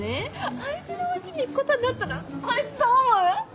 相手のお家に行くことになったのこれどう思う？